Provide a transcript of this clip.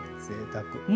ぜいたく。